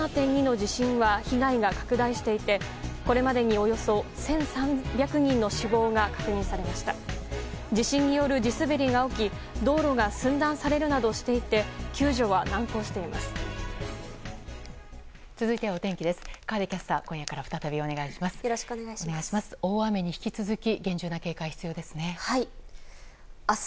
地震による地滑りが起き道路が寸断されるなどして救助は難航しています。